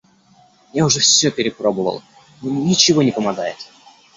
Я уже всё перепробовал, но ничего не помогает.